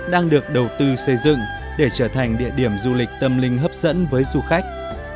đang được đầu tư xây dựng để trở thành địa điểm du lịch tâm linh hấp dẫn với du khách